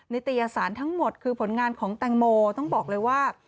ิตยสารทั้งหมดคือผลงานของแตงโมต้องบอกเลยว่า